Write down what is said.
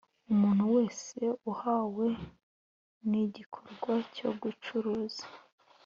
Umuntu wese uhamwe n igikorwa cyo gucuruza